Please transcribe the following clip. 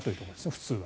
普通は。